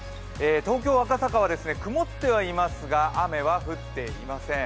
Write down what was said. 東京・赤坂は曇ってはいますが、雨は降っていません。